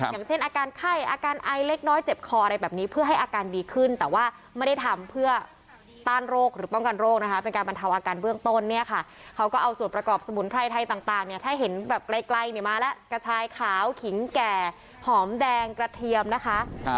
อย่างเช่นอาการไข้อาการไอเล็กน้อยเจ็บคออะไรแบบนี้เพื่อให้อาการดีขึ้นแต่ว่าไม่ได้ทำเพื่อต้านโรคหรือป้องกันโรคนะคะเป็นการบรรเทาอาการเบื้องต้นเนี่ยค่ะเขาก็เอาส่วนประกอบสมุนไพรไทยต่างเนี่ยถ้าเห็นแบบไกลเนี่ยมาแล้วกระชายขาวขิงแก่หอมแดงกระเทียมนะคะ